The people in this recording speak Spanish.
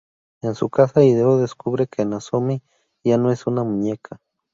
En su casa, Hideo descubre que Nozomi ya no es una muñeca.